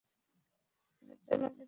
চল ভিতরে যাই।